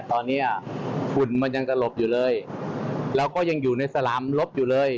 ตอนนี้ฝุ่นมันยังจะหลบอยู่เลยเราก็ยังอยู่ในสลามลบอยู่เลย